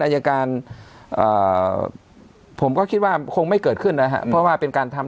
อายการผมก็คิดว่าคงไม่เกิดขึ้นนะฮะเพราะว่าเป็นการทำ